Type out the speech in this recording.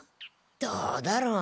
どうだろう？